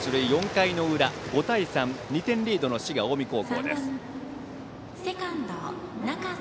４回の裏５対３、２点リードの滋賀・近江高校です。